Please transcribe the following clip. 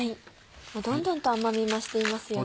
どんどんと甘み増していますよね。